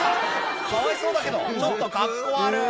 かわいそうだけどちょっとカッコ悪